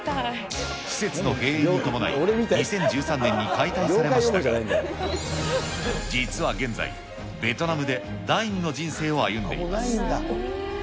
施設閉園に伴い、２０１３年に解体されましたが、実は現在、ベトナムで第２の人生を歩んでいます。